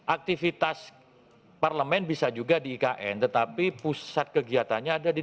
aktivitas parlemen bisa juga di ikn tetapi pusat kegiatannya ada di